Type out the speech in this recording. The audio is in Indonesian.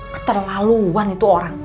keterlaluan itu orang